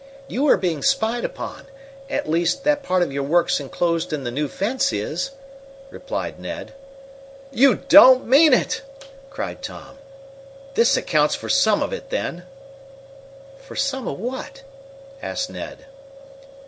"You are being spied upon at least, that part of your works enclosed in the new fence is," replied Ned. "You don't mean it!" Cried Tom. "This accounts for some of it, then." "For some of what?" asked Ned.